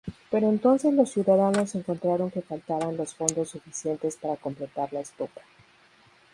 Pero entonces los ciudadanos encontraron que faltaban los fondos suficientes para completar la estupa.